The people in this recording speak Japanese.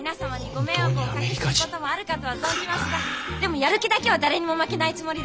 やる気だけは誰にも負けないつもりです。